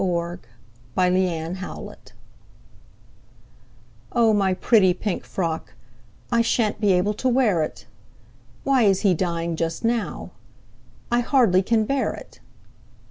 THE PINK FROCK "O MY pretty pink frock, I sha'n't be able to wear it! Why is he dying just now? I hardly can bear it!